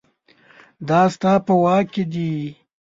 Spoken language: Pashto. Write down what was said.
دا ستا په واک کې دي